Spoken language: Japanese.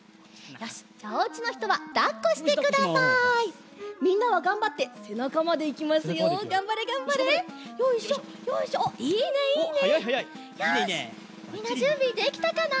よしみんなじゅんびできたかな？